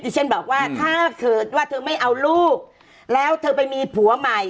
ฉันบอกว่าถ้าเกิดว่าเธอไม่เอาลูกแล้วเธอไปมีผัวใหม่